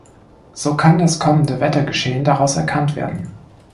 So kann das kommende Wettergeschehen daraus erkannt werden.